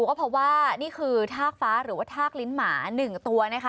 ก็เพราะว่านี่คือทากฟ้าหรือว่าทากลิ้นหมา๑ตัวนะคะ